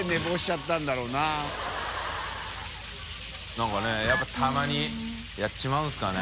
燭やっぱたまにやっちまうんですかね。